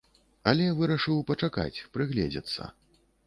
Але вырашыў пачакаць, прыгледзецца.